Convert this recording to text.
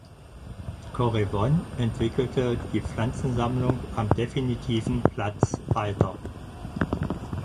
Correvon entwickelte die Pflanzensammlung am definitiven Platz weiter.